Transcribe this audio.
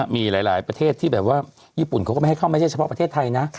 มีหลายประเทศที่แบบว่าญี่ปุ่นเขาก็ไม่ให้เข้าไม่ใช่เฉพาะประเทศไทยนะ